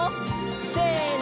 せの！